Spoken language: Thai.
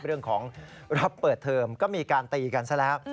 เรื่องของรับเปิดเทอมก็มีการตีกันซะแล้ว